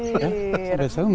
kebajakan air ya